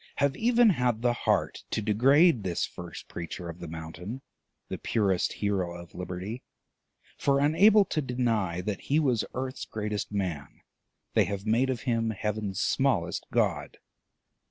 have even had the heart to degrade this first preacher of the Mountain, the purest hero of Liberty; for, unable to deny that he was earth's greatest man, they have made of him heaven's smallest god."